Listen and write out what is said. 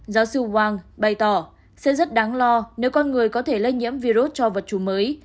giáo sư wang bày tỏ sẽ rất đáng lo nếu con người có thể lây nhiễm virus cho vật trù mới